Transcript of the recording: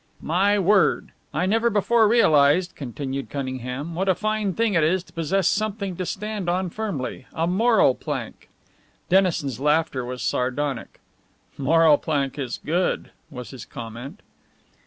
"My word! I never before realized," continued Cunningham, "what a fine thing it is to possess something to stand on firmly a moral plank." Dennison's laughter was sardonic. "Moral plank is good," was his comment.